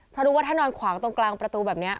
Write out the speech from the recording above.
เพราะรู้ว่าถ้านอนขวางตรงกลางประตูแบบนี้